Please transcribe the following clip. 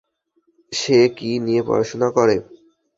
সে কী নিয়ে পড়াশুনা করে?